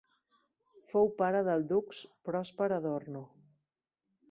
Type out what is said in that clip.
Fou pare del dux Pròsper Adorno.